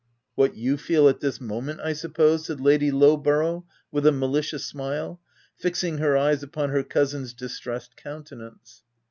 " What you feel at this moment, I suppose ?" said Lady Lowborough, with a malicious smile, fixing her eyes upon her cousin's distressed countenance.